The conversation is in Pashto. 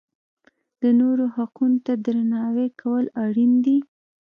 د نورو حقونو ته درناوی کول اړین دي.